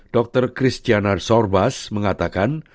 dr christiana sorbas mengatakan